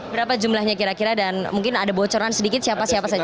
berapa jumlahnya kira kira dan mungkin ada bocoran sedikit siapa siapa saja